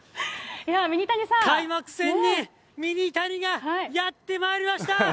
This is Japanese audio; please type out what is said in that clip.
開幕戦にミニタニがやってまいりました！